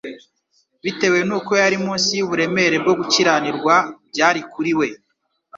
bitewe n'uko yari munsi y'uburemere bwo gukiranirwa byari kuri we.